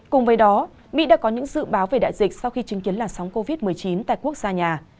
cùng với đó mỹ đã có những dự báo về đại dịch sau khi chứng kiến làn sóng covid một mươi chín tại quốc gia nhà